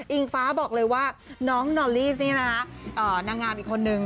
ฟ้าบอกเลยว่าน้องนอรี่นี่นะคะนางงามอีกคนนึง